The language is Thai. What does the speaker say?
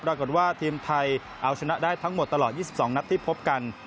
ปรากฏว่าทีมไทยเอาชนะได้ทั้งหมดตลอด๒๒นัดที่พบกัน